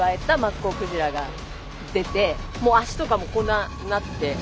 もう足とかもこんなになって。